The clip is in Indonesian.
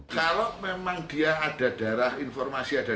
kalau memang dia ada darah informasi ada